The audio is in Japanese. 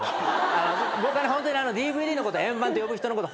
僕はＤＶＤのこと円盤って呼ぶ人のこと